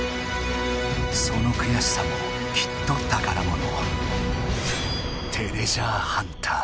そのくやしさもきっと宝もの。